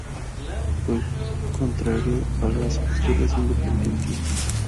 Fue contrario a las posturas independentistas.